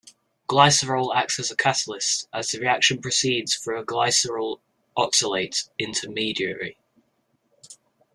Glycerol acts as a catalyst, as the reaction proceeds through a glyceryl oxalate intermediary.